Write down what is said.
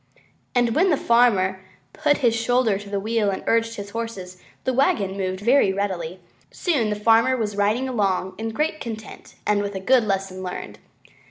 And when the farmer put his shoulder to the wheel and urged on the horses, the wagon moved very readily, and soon the Farmer was riding along in great content and with a good lesson learned.